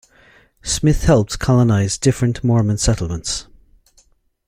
Smith helped colonize different Mormon settlements.